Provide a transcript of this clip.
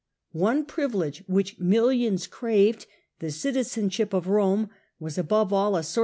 One privilege, which millions craved, the citizenship of Rome, was above all a source especially m